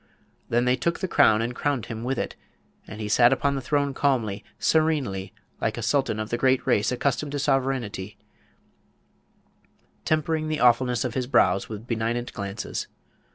Then they took the crown and crowned him with it; and he sat upon the throne calmly, serenely, like a Sultan of the great race accustomed to sovereignty, tempering the awfulness of his brows with benignant glances.